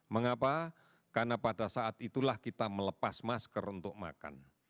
mengapa karena pada saat itulah kita melepas masker untuk makan